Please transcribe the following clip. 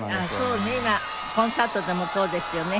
そうね今コンサートでもそうですよね。